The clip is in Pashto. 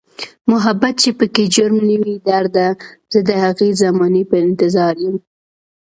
محبت چې پکې جرم نه وي درده، زه د هغې زمانې په انتظاریم